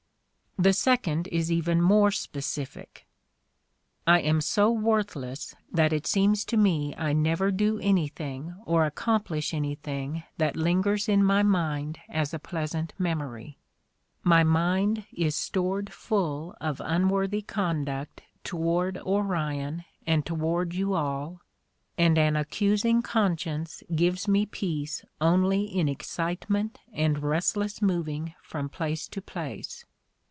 The second is even more specific: "I am so worthless that it seems to me I never do anything or accomplish anything that lingers in my mind as a pleasant memory. My mind is stored full of unworthy conduct toward Orion and toward you all, and an accusing conscience gives me peace only in excitement and restless moving from place to place.